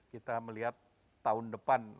kita melihat tahun depan